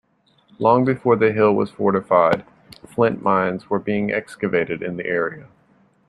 Long before the hill was fortified, flint mines were being excavated in the area.